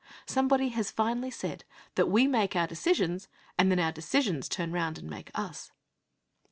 Somebody has finely said that we make our decisions, and then our decisions turn round and make us.